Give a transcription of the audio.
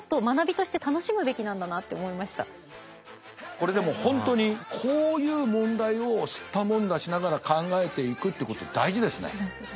これでも本当にこういう問題をすったもんだしながら考えていくってこと大事ですね。